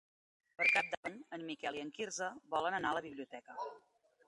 Per Cap d'Any en Miquel i en Quirze volen anar a la biblioteca.